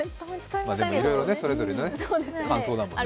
いろいろね、それぞれ感想だもんね。